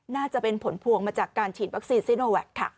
น่าจะเป็นผลพวงมาจากการฉีดวัคซีนซีโนแวคค่ะ